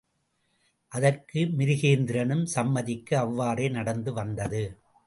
அதற்கு மிருகேந்திரனும் சம்மதிக்க, அவ்வாறே நடந்து வந்தது.